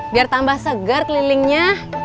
biar tambah segar kelilingnya